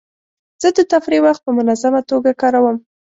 زه د تفریح وخت په منظمه توګه کاروم.